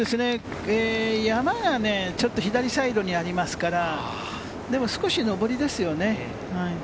山がちょっと左サイドにありますから、でも少し上りですよね。